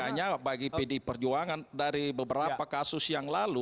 makanya bagi pd perjuangan dari beberapa kasus yang lalu